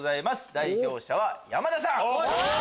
代表者は山田さん。